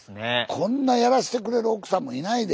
こんなやらしてくれる奥さんもいないで。